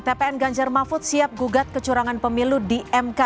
tpn ganjar mahfud siap gugat kecurangan pemilu di mk